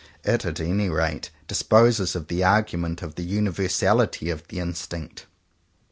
It at any rate disposes of the argument of the universality of the instinct.